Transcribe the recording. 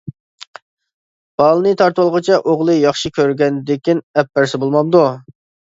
بالىنى تارتىۋالغۇچە ئوغلى ياخشى كۆرگەندىكىن ئەپ بەرسە بولمامدۇ.